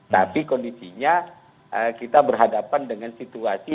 tapi kondisinya kita berhadapan dengan situasi